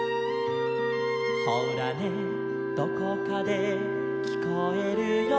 「ほらねどこかできこえるよ」